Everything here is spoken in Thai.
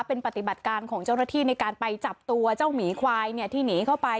เป็นปฏิบัติการของเจ้าหน้าที่ในการไปจับตัวเจ้าหมีควายที่หนีเข้าไป